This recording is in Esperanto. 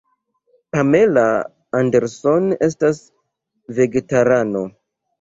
Pamela Anderson estas vegetarano.